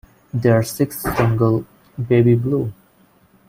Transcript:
Their sixth single, Baby Blue!